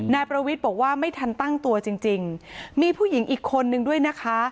นายประวิทย์บอกว่าไม่ทันตั้งตัวจริงจริงมีผู้หญิงอีกคนนึงด้วยนะคะ